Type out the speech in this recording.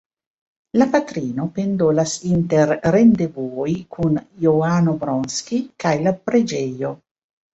La patrino pendolas inter rendevuoj kun Johano Bronski kaj la preĝejo.